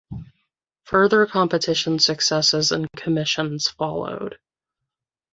Further competition successes and commissions followed.